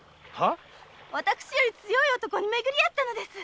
私より強い男にめぐり会ったのです。